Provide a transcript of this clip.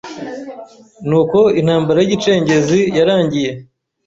Ni uko Intambara y’igicengezi yarangiye